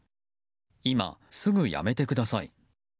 今、すぐ辞めてください。